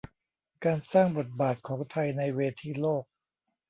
การสร้างบทบาทของไทยในเวทีโลก